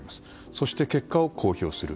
そして、結果を公表する。